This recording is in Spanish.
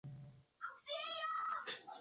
Las unidades coreanas tardan más en convertirse.